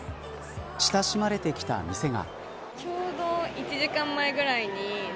親しまれてきた店が。